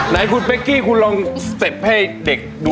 ไหนคุณเป๊กกี้คุณลองสเต็ปให้เด็กดู